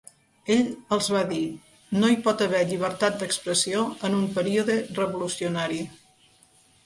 Ell els va dir: "No hi pot haver llibertat d'expressió en un període revolucionari".